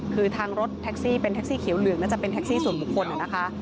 คือทางรถแท็กซี่เป็นแท็กซี่เขียวเหลืองน่าจะเป็นแท็กซี่ส่วนบุคคลนะคะ